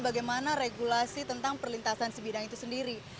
bagaimana regulasi tentang perlintasan sebidang itu sendiri